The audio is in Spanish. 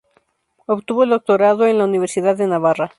Obtuvo el doctorado en la Universidad de Navarra.